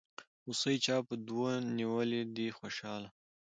هوسۍ چا په دو نيولې دي خوشحاله